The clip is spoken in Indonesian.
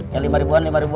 yang lima ribuan lima ribuan